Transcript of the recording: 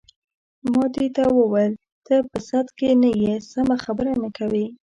ما دې ته وویل: ته په سد کې نه یې، سمه خبره نه کوې.